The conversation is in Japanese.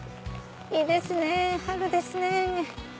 いいですね春ですね。